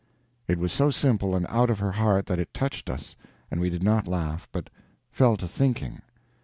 It was so simple and out of her heart that it touched us and we did not laugh, but fell to thinking.